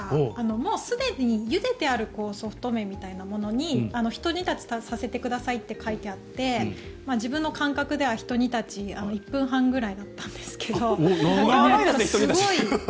もうすでに、ゆでてあるソフト麺みたいなものにひと煮立ちさせてくださいって書いてあって自分の感覚ではひと煮立ち１分半くらいだったんですけど。